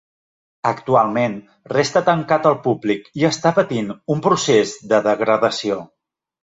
Actualment resta tancat al públic i està patint un procés de degradació.